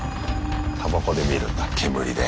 たばこで見るんだ煙で。